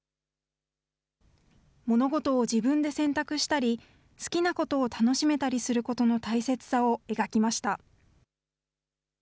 物事を自分で選択したり、好きなことを楽しめたりすることの大切さを描きました。